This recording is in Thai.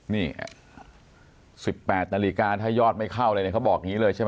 นี่๑๘นาฬิกาถ้ายอดไม่เข้าเลยเนี่ยเขาบอกอย่างนี้เลยใช่ไหม